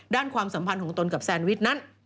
ความสัมพันธ์ของตนกับแซนวิชนั้น